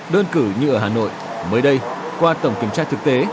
đơn cử như ở hà nội mới đây qua tổng kiểm tra thực tế